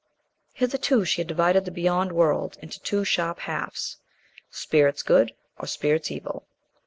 Hitherto she had divided the beyond world into two sharp halves spirits good or spirits evil.